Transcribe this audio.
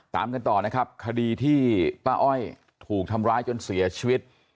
ตามกันต่อนะครับคดีที่ป้าอ้อยถูกทำร้ายจนเสียชีวิต